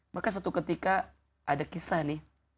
maka satu ketika ada kisah nih